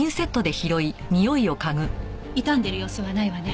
傷んでる様子はないわね。